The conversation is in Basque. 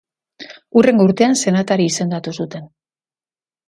Hurrengo urtean, senatari izendatu zuten.